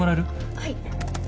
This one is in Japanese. はい。